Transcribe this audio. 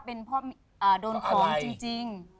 เป็นพ่อโดนผลจริง